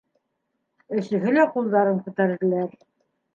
Өсөһө лә ҡулдарын күтәрҙеләр.